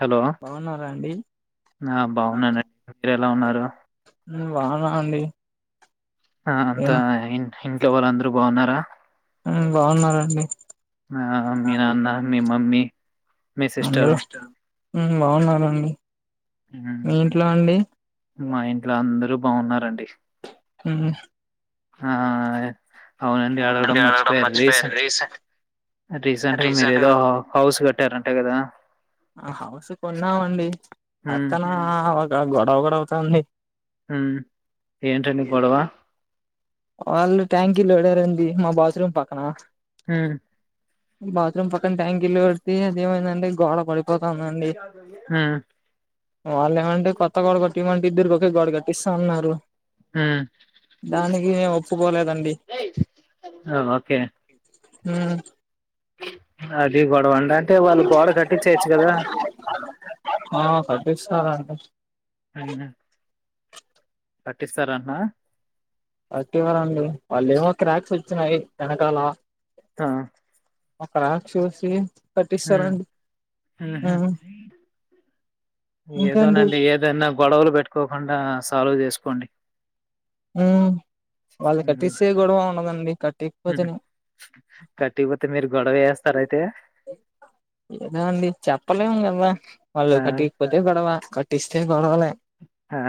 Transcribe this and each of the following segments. Hello బాగున్నారా అండి ఆ బాగున్నానండి. మీరెలా ఉన్నారు? మ్ బానా అండి. ఆ అంతేనా అయిన్డ్ ఇంట్లో వాళ్ళందరూ బావున్నారా? మ్మ్ బాగున్నరండి. ఆమ్ మీ నాన్న మీ మమ్ మి అంద వెస్ట్ మ్మ్ బాగున్నానండి. హ్మ్. మీ ఇంట్లో అండి? మా ఇంట్లో అందరు బాగున్నారండి. హ్మ్ ఆ అవునండి అడగడం మర్చిపోయారు. రీసెంట్ రీసెంట్‌గా మీరేదో హౌ హౌస్ కట్టారంట గదా! హౌస్ కొన్నామండి హ్మ్. పక్కన ఇక గొడవ గూడ అవుతా ఉంది. హ్మ్ ఏంటండీ గొడవా వాళ్ళు ట్యాంకీ లోడారు అండి మా బాత్రూమ్ పక్కనా హ్మ్ఁ బాత్రూమ్ పక్కన ట్యాంక్ లోడితే అది ఏమైందంటే గోడ పడిపోతా ఉందండి హ్మ్. వాళ్ళు ఏమంటే కొత్త గోడ కట్టియమంటే ఇద్దరు గోడ కట్టిస్తా అన్నారు హ్మ్ఁ ఒపు ఆ ఓకే మ్మ్ అది గొడవ అండి. అంటే వాళ్ళు గోడ కట్టిచేయెచ్చు కదా అ హ అండి కట్టిస్తారట్నా కట్టివ్వరండి వాళ్ళేమో క్రాక్స్ వ చ్చినయి వెనకాల ఆ ఆ క్రక్ చూసి మ్ కట్టిస్తారండి మ్మ్ హు ఇంకేంటి ఏదోనండి ఏదున్న గొడవలు పెట్టుకోకుండా సాల్వ్ చేసుకోండి. మ్మ్ వాళ్ళు కట్టిస్తే ఏ గొడవ ఉండదండి. కట్టియకపోతేనే కట్టియకపోతే మీరు గొడవ చేస్తారయితే ఏదో అండి చెప్పలేము కదా! వాళ్ళు ఆ కటియకపోతే గొడవ కటిస్తే గొడవ లే. ఆ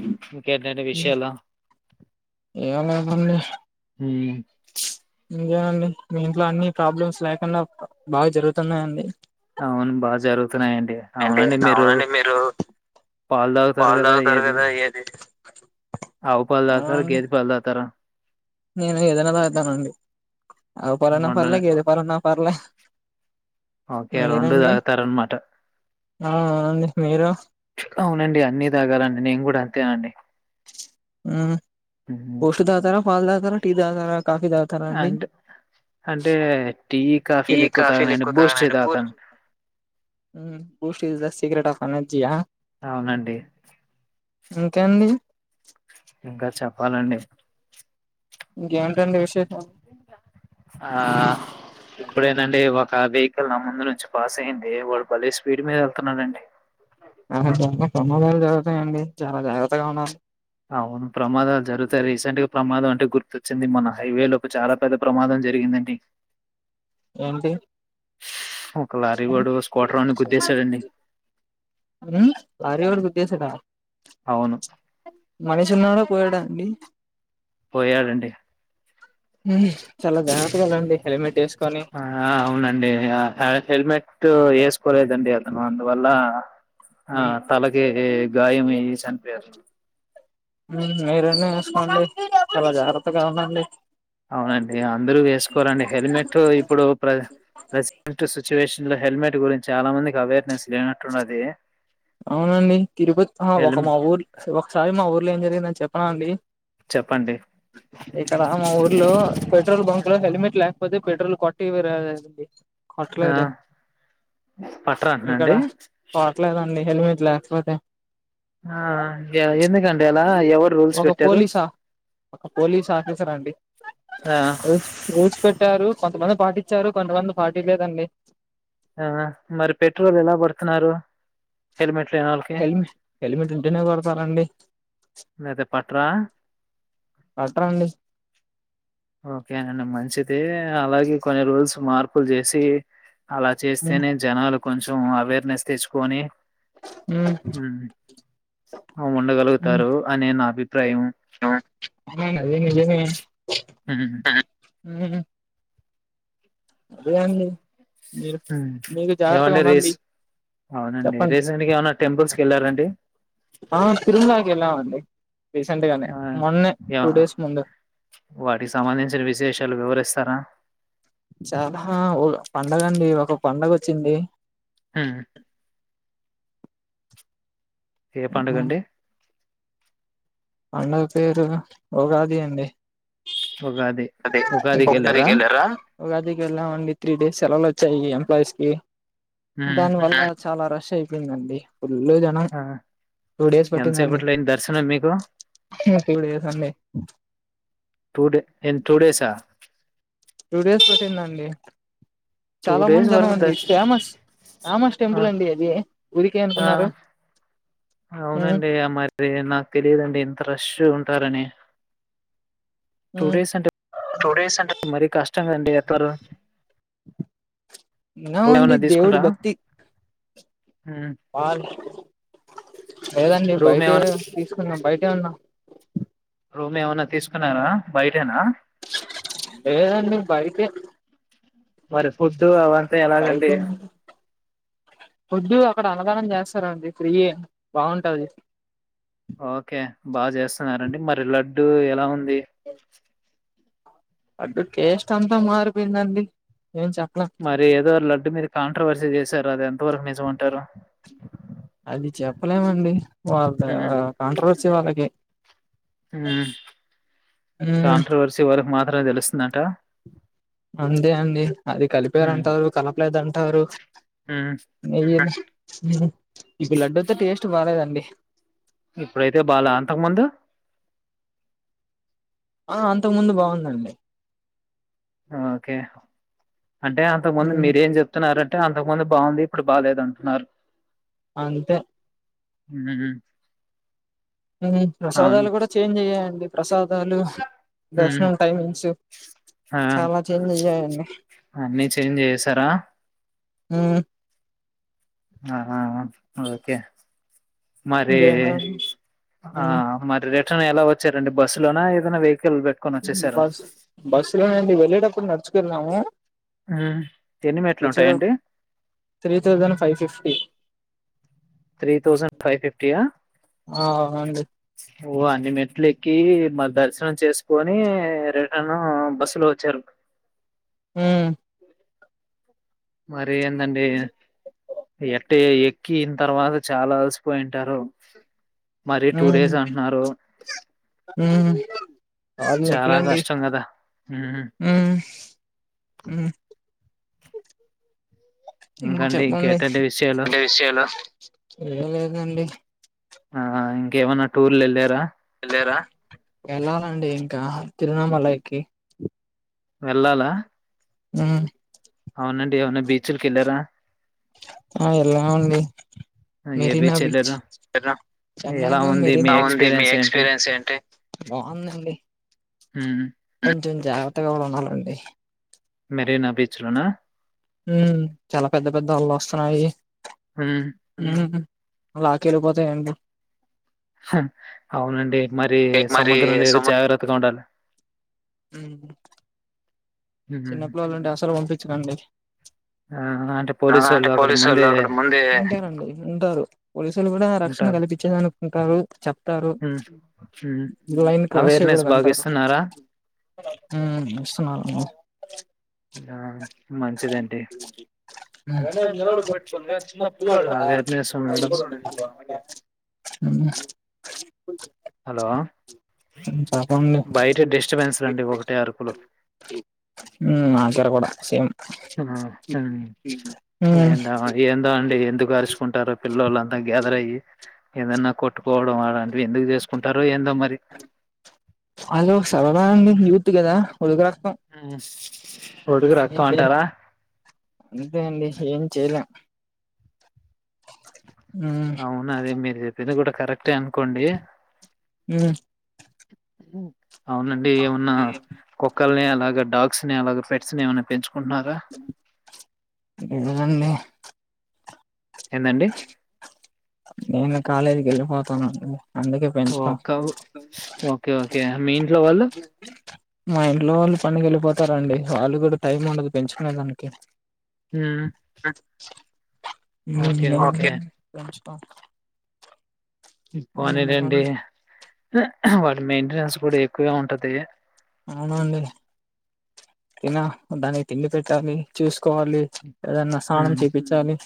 ఇంకేంటండి విషయాలు? ఏం లేవండి హ్మ్ ఇంకేం అండి మీ ఇంట్లో అన్ని ప్రాబ్లమ్స్ లేకుండ బాగా జరుగుతున్నాయండి? అవును బాగా జరుగుతున్నాయండి అవునండి మీరు పాలు తాగుతారు కదా ఏది. ఆవు పాలు తాగుతారా, అవునండి గేదె పాలు తాగుతారా? నేను ఏదైనా తాగుతానండి ఆవు పాలైన పర్లే రెండునే గేదె పాలైన పార్లే ఓకే రెండు తాగుతారన్నమాట ఆ అండి మీరు అవునండి అన్ని తాగాలండి నేను కూడా అంతేనండి ఉమ్ హ్మ్. బూస్ట్ తాగుతారా, పాలు తాగుతారా, టీ తాగుతారా, కాఫీ తాగుతారా అండి అంటే అంటే టీ ఈ కాఫీలు ఎక్కువ కాఫీ తాగనండి లేకుత బూస్ట్ టీ తాగుతాను బూస్టి the secret of a of energy ఆ అవునండి ఇంకా అండి ఇంకా చెప్పాలండి ఇం ఆ ఇప్పుడేనండి ఒక ఆ వెహికల్ నా ముందు నుంచి పాస్ అయ్యింది వాళ్ళు భలే స్పీడ్ మీద వెళ్తున్నారండి అ చాలా సమాదాలు జరుగుతాయండి చాలా జాగ్రత్తగా ఉన్నారు అవును ప్రమాదాలు జరుగుతాయి రీసెంట్ గా ప్రమాదం అంటే గుర్తొచ్చింది మన హైవే లోపు చాలా పెద్ద ప్రమాదం జరిగిందండి ఏంటి ఒక లారీ కూడా స్క్వాట రౌడ్ గుద్దేసాడండి లారీ వోడు గుద్దేసాడ అవును మనషున్నాడా పోయాడా అండి పోయాడండీ ఉ ఆ అవునండి హెల్మెట్ ఇటు వేసుకోలేదండి అతను అందువల్ల ఆ మ్మ్ తలకి గాయమేసన్పరు మీరన్న చూసుకోండి చాలా జాగ్రత్తగా ఉండండి అవునండి అందరూ వేసుకోవాలండి హెల్మెట్ ఇప్పుడు ప్రసెంట్ సిచ్యువేషన్ హెల్మెట్ గురించి చాలా మందికి అవేర్నెస్ లేనట్టుండాది అవునండి తిరుపతి ఒక మా ఊరు ఒకసారి మా ఊర్లో ఏం జరిగిందని చెప్ప అనా అండి చెప్పండి ఇక్కడ మా ఊర్లో పెట్రోల్ బంక్ లో హెల్మెట్ లేక పోతే పెట్రోల్ కొట్టివరాదండి ఆ కొట్టలేదు పట్రా అంట అండి హెల్మెట్ల లేకపోతే ఆ ఎందుకంటడి అలా ఎవరు రూల్స్ ఒక పెట్టారు పోలీసా ఒక పోలీస్ ఆఫీసర్ అండి ఆ ర రో చి పెట్టారు కొంతమంది పాటించారు కొంతమంది పాటిలేదండి ఆ మరి పెట్రోల్ ఎలా పడుతున్నారు హెల్మెట్లునాళ్కి హెలిమిట్ ఉంటేనే కొడతారంండి అయితే పాట్రా కొట్టరండి ఓకేనండి మంచిది అలాగే కొన్ని రూల్స్ మార్పులు చేసి అలా ఉమ్ చేస్తేనే జనాలు కొంచెం అవేర్నెస్ తెచ్చుకొని ఉమ్ అ ఉండగలుగుతారు అని నా అభిప అిప్రాయం అ అదే నిజేమే హ్మ్ అది కాండి ఏమండి రేస్ అవునండి చెప్పండి రీసెంట్ గా ఏమనా టెంపుల్స్ క వెళ్లారంండి ఆ తిరుమలకి వెళ్ళామండి రీసెంట్ గానే ఆ మొన్నే యా టూ డేస్ ముందు వాటికి సంబంధించిన విశేషాలు వివరిస్తారా చాలా ఒక పండగ అండి ఒక పండగ వచ్చింది హ్మ్ ఏ పండుగ అండి పండగ పేరు ఉగాది అండి ఉగాది ఉగాదికి వెళ్ళారా ఉగాదికి వెళ్ళాం అండి త్రీ డేస్ సేలవాళ్ళు వచ్చాయి ఎంప్లాయీస్ కి హ్మ్ దాని వళ చాలా రష్ అయిపోయిందండి ఫుల్ జనం ఆ టూ డేర్స్ పట్టిందండి ఎంతసేపట్లో అయింది దర్శనం మీకు టూ డేస్ అండి డసా టూ డేస్ పట్టిందండి టూ చాలా మంది డేస్ జనం వరకు అండి ఫేమస్ ఫేమస్ టెంపుల్ అండి అది ఊరికే అనుకున్నారు అవునండి మరి నాకు తెలియదుండి ఇంత ర్రెష్ ఉ ంటారనే టూ డేస్ అంటే టూ డేస్ అంటే మరీ కష్టంగా అండి ఎప్పరు నావండి దేవుడు భక్తి హ్మ్ వా లేదండి రూమ్ బయటే ఏమన్నా తీసుకున్నాం బయటే ఉన్నాం రూమ్ ఏమన్నా తీసుకున్నారా బయటేనా ఏదండి బైకి మరి ఫుడ్ అవ తే ఏళ్ళకండి ఫుడ్డు అక్కడ అన్నదానం చేస్తారంండి ఫ్రీ బాగుంటంది ఓకే బాగా చేస్తున్నారండి మరి లడ్డు ఎలా ఉ ది అడు కేస్ట్ అంతా మారిపోయిందండి ఏం చెప్పలేం మరి ఏదో అల అ మీరు కాంట్రవర్సీ చేశారు అది ఎంత వరకు నిజమ అంటారు అది చెప్పలేమండి వాళ్ళ కాంట్రవర్సీ వాళ్ళకి మ్మ్ కాంట్రవర్సి వరకు మాత్ర మే తెలుస్తుందట అందే అండి అది కలిపారుంటారు కలపలేదంటారు ఉమ్, న మ్ ఇప్పు లడ్డూతో టేస్ట్ బాలలేదండి ఇప్పుడైతే బాాల అంతకు ముందు ఆ అంతకు ముందు బాగుందండి ఓకే అంటే అంతకుముందు మ్మ్ మీరేం చెప్తున్నారంట అంటే అంతకుముందు బాగుంది ఇప్పుడు బాలేదు అంటున్నారు అంతే మ్ ప్రసాదాలు కూడా చేంజ్ అయ్యాయి ప్రసాదాలు ఉమ్, దర్శనం టైమింగ్స్ ఆ, చాలా చేంజ్ అయ్యాయండి అన్నీ చేంజ్ చేశారా హు ఆహా ఓకే మరి ఇంకేంటండి ఆ మరి రేపు ఎలా వచ్చారండి బస్సు లోనా ఏదైన వెహి బస్ బస్సు లోనేండి వెళ్ళేటప్పుడు నడుచు న్నాము ఉమ్. ఎన్ని మెట్లు వచ్చ ఉంటాయండి three thousand five fifty three thousand five fifty ఆ ఆ అవునండి ఓ అన్ని మేట్లు ఎక్కి మరి దర్శనం చేసుకొని రిటన్ బస్సులో వచ్చారు హు మరి ఏందండి ఎట్ట ఎక్కిన తర్వాత చాలా అలసిపోయింటారు మరీ టూ డేస్ అంటున్నారు ఉహూ కాళ్ళు చాలా నొప్పులండి కష్టం కదా ఉమ్ హూ హూ హ్మ్ ఇంకండి చెప్పండి ఇంకేటండి [unintelligible] విషయాలు అయిరా ఏం లేదండి ఆ ఇంకేమనా టూర్ లు ఎళ్ళారా ఎళ్ళరా ఎళ్ళాలండి ఇంకా తిరునమలకి వెళ్ళాలా ఉ అవునండి ఏమనా బీచ్లకి యాళ్ళారా ఆ ఎలా అండి ఏ మెరినా బీచ్ వెళ్ళారు ఎలా చెన్నైలో ఉంది మీ మెరీనా ఉంది మీ ఎక్స్‌పీరియన్స్ ఏంటి? ఎక్స్పీరియన్స్ ఏంటి బాగుందండి హూ కొంచెం జాగ్రత్తగా కూడా ఉండాలండి మెరీనా బీచ్ లోనా ఉ చాలా పెద్ద పెద్ద అలలు వస్తున్నాయి హ్మ్. హూ లాక్కేలి పోతాయండి అవునండి మరి మరి సముద్రం దగ్గర జాగ్రత్తగా ఉండాలి ఉ హ్మ్. చిన్న పిల్లలు ఉంటే అసలు పంపించకండి ఆ! అంటే ఆ అంటే పోలీసోళ్ళు అక్కడ పోలీసు ఒళ్ళు ముందే అక్కడ ముందే ఉంటారు పోలీసు ఒళ్ళు కూడా రక్షణ ఉంటారు. కల్పించేదాని ంటరు చెప్తారు హ్మ్. హ్మ్. లైన్ క్రాస్ అవేర్‌నెస్ చేయ్యకూడదు బాగా అంటారు ఇస్తున్నారా? ఆ ఇస్తున్నారు అ అదే [unintelligible] అవేర్‌నెస్ ఉండడం చెప్పండి హలో! బయట డిస్టర్బెన్స్‌లండి ఒకటే అరుపులు. ఉ ఇక్కర కూడా సేమ్ హ్మ్ ఏందా ఏందా అండి ఎందుకు అరుచుకుంటారు పిల్లలు అంతా గ్యాదర్ అయ్యి ఏదన్నా కొట్టుకోవడం అలాంటివి ఎందుకు చేసుకుంటారు ఎ హలో సమయానికి పట్టి కదా [unintelligible] యస్తం ఒడుగు ఏం రక్తం చేయలేం అంటారా అంతే అండి ఏం చేయలేం మ్మ్ అవునాద మీరు చెప్పింది కూడా కరెక్టే అనుకోండి మ్మ్ అవునండి ఏమన్నా కుక్కలని అలాగా డాగస్ ని అలా పెట్స్ ని ఏమనా పెంచ ఇదండి ఎందండి నేను కాలేజీకి వెళ్ళిపోతాను ఓ కౌ ఓకే ఓకే ఓకే మీ ఇంట్లో వాళ్ళు మా ఇంట్లో వాళ్ళు పనికి వెళ్ళిపోతారండి వాళ్ళు కూడా టైం ఉండదు పెంచుకునే దానికి ఉమ్, అ ఓకే పం పని రెండి వాటి మెయింటెనెన్స్ కూడా ఎక్కువె ఉంటది అవునండి తిన దాన్ని తిండి పెట్టాలి చూస్ కోవాలి ఏదన్నా స్నానం ఉమ్, చేపించాలి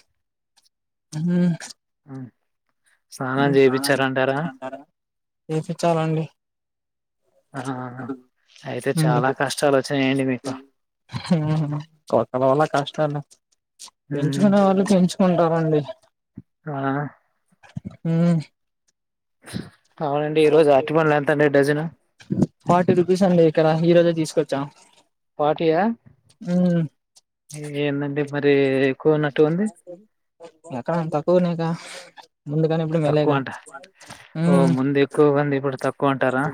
ఊ అ స్నానం చేపించారంటారా చేపించాలండి ఆ అయితే చాలా కష్టాలు వచ్చయండి మీకు ఊ కొక్కల వల్ళ కష్టాలు ఉమ్, పెంచుకునే వాళ్ళు పెంచుకుంటారండి ఆ ఆ హా అవునండి ఈరోజు అర్టిపంలు ఎంతండి డజను ఫార్టీ రూపీస్ అండి ఇక్కడ ఈ రోజే తీసుకొచ్చాం ఫాటీయా ఏందండి మరి కో నటు ఉంది ఎక్కడన తకువనేకా తక్కువ అంట ఓ ముందు ఎక్కువ మంది ఇప్పుడు తక్ వదు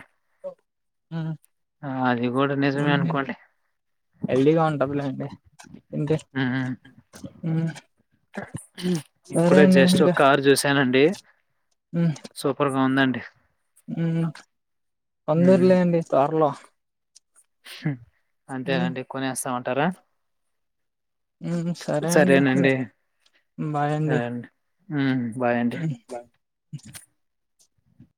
ఒ ఊ ఆ అది ఇవ్ కూడా నిజమే అనుకోండి ఎల్డీగా ఉంటబ్లేండి ఏంటి ఊ ఊ ఇప్పుడే జేష్ట్ ఒక కారు చూసానండి ఉమ్ సూపర్ అ ఉందండి ఉమ్ తందర్లే అండి త్వరలో హా అంతే ఉమ్ అండి కొనేస్తాం ంటారా సరే అండి బాగాండి హ బయంట